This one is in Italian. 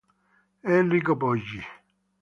Enrico Poggi